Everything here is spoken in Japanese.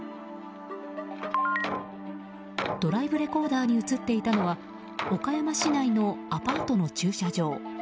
ドライブレコーダーに映っていたのは岡山市内のアパートの駐車場。